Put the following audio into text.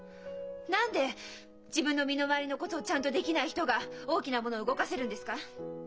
何で自分の身の回りのことちゃんとできない人が大きなものを動かせるんですか？